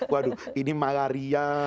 waduh ini malaria